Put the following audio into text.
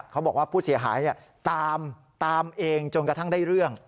เขาบอกว่าผู้เสียหายตามเองจนกระทั่งได้เรื่อง